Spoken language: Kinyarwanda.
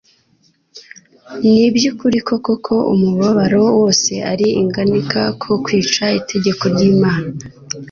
Ni iby'ukuri koko ko umubabaro wose ari inganika zo kwica itegeko ry'Imana,